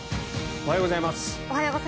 おはようございます。